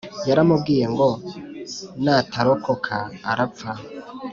Yaramubwiye ngo natarokoko arapfa